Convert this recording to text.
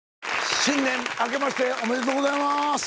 新年あけましておめでとうございます。